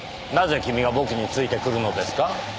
なぜ君が僕についてくるのですか？